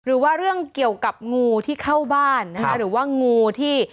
หรือว่าเรื่องเกี่ยวกับงูที่เข้าบ้านนะคะหรือว่างูที่